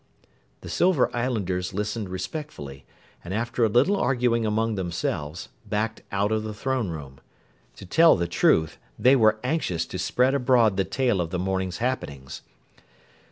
The Silver Islanders listened respectfully and after a little arguing among themselves backed out of the throne room. To tell the truth, they were anxious to spread abroad the tale of the morning's happenings.